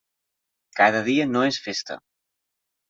Cada dia no és festa.